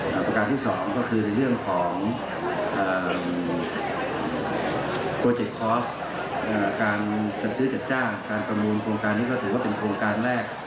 ประการที่สองก็คือในเรื่องของโปรเจคคอร์สการจัดซื้อจัดจ้างการประมูลโครงการนี้ก็ถือว่าเป็นโครงการแรก